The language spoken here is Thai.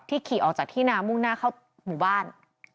ขี่ออกจากที่นามุ่งหน้าเข้าหมู่บ้าน